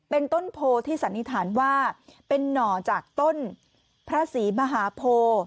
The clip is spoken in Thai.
เป็นต้นโพที่สันนิษฐานว่าเป็นหน่อจากต้นพระศรีมหาโพ